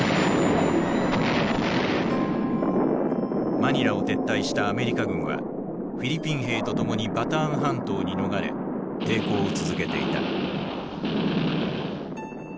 マニラを撤退したアメリカ軍はフィリピン兵と共にバターン半島に逃れ抵抗を続けていた。